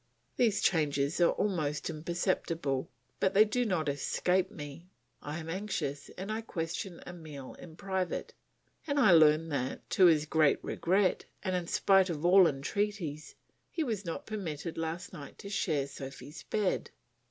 These changes are almost imperceptible, but they do not escape me; I am anxious and I question Emile in private, and I learn that, to his great regret, and in spite of all entreaties, he was not permitted last night to share Sophy's bed.